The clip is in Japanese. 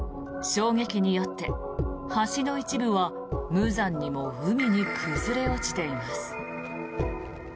衝撃によって橋の一部は無残にも海に崩れ落ちています。